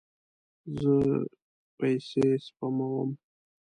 زه پیسې سپموم